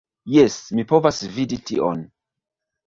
Jes, mi povas vidi tion